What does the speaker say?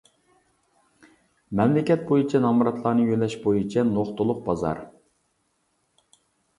مەملىكەت بويىچە نامراتلارنى يۆلەش بويىچە نۇقتىلىق بازار.